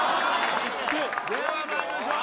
ではまいりましょう。